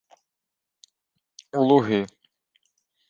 — У Луги.